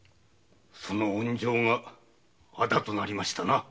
その恩情が仇となりましたな。